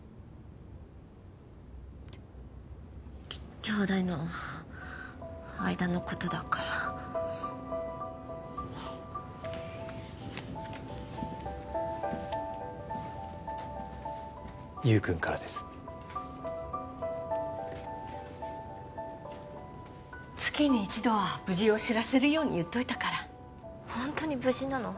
姉弟の間のことだから優くんからです月に一度は無事を知らせるように言っといたからホントに無事なの？